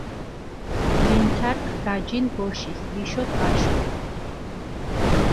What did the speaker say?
მენცარქ გაჯინჷ ბოშის ვიშოთ, აშოთ.